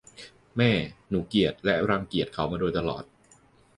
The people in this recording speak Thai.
แม่ หนูเกลียดและรังเกียจเขามาโดยตลอด